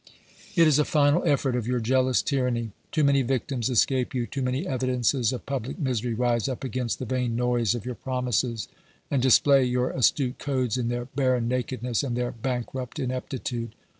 It is a final effort of your jealous tyranny. Too many victims escape you ; too many evidences of public misery rise up against the vain noise of your promises, and display your astute codes in their barren nakedness and their bankrupt ineptitude.